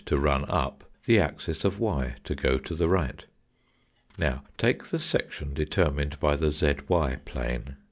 axis of z to run up, the axis of y to go to the right. Now take the section determined by the zy plane.